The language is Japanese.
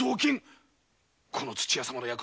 この土屋様の薬